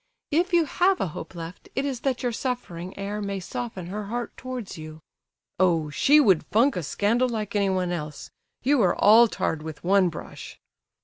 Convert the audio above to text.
If you have a hope left, it is that your suffering air may soften her heart towards you." "Oh, she would funk a scandal like anyone else. You are all tarred with one brush!"